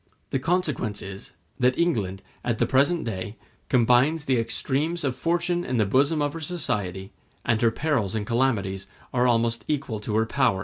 The consequence is, that England, at the present day, combines the extremes of fortune in the bosom of her society, and her perils and calamities are almost equal to her power and her renown.